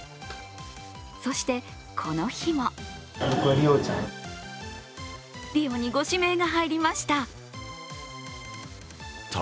そして、この日もリオにご指名が入りました。